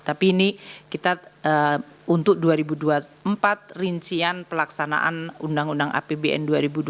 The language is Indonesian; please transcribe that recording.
tapi ini kita untuk dua ribu dua puluh empat rincian pelaksanaan undang undang apbn dua ribu dua puluh